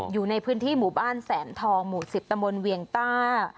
อยู่ในพื้นที่หมู่บ้านแสนทองหมู่๑๐ตำบลเวียงต้า